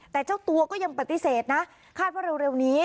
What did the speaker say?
แต่เจ้าตัวก็ยังปฏิเสธนะคาดว่าเร็วนี้